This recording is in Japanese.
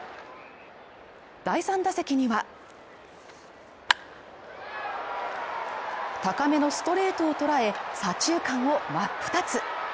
第３打席には高めのストレートを捉え、左中間を真っ二つ。